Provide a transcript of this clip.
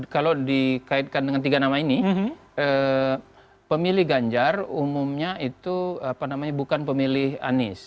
kalau dikaitkan dengan tiga nama ini pemilih ganjar umumnya itu bukan pemilih anies